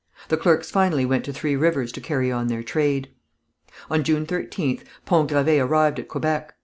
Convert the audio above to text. The clerks finally went to Three Rivers to carry on their trade. On June 13th, Pont Gravé arrived at Quebec.